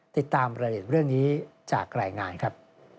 ติดตามรายละเอียดเรื่องนี้จากรายงานครับ